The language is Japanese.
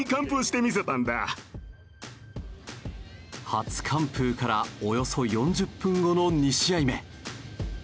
初完封からおよそ４０分後の２試合目。